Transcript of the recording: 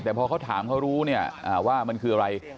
แต่พอเขาถามเขารู้เนี่ยว่ามันคืออะไร